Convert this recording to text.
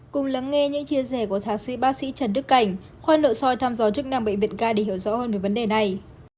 cùng lắng nghe những chia sẻ của thạc sĩ bác sĩ trần đức cảnh khoa nội soi thăm dò chức năng bệnh viện k để hiểu rõ hơn về vấn đề này